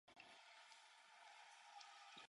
You will hit the British flag if you do.